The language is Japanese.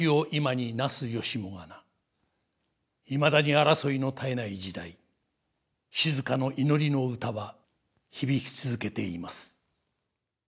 いまだに争いの絶えない時代静の祈りの歌は響き続けています。